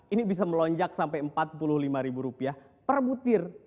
ini bisa melonjak sampai rp empat puluh lima per butir